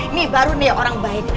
ini baru nih orang baik